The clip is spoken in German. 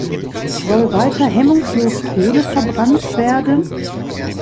Soll weiter hemmungslos Kohle verbrannt werden?